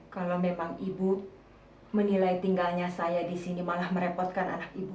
kalau memang ibu menilai tinggalnya saya di sini malah merepotkan anak ibu